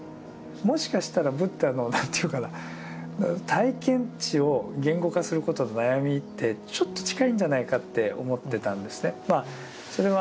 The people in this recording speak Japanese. もしかしたらブッダの何ていうかな体験知を言語化することの悩みってちょっと近いんじゃないかって思ってたんですね。